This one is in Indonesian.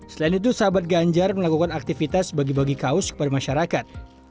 selain itu sahabat ganjar melakukan aktivitas bagi bagi kaos kepada masyarakat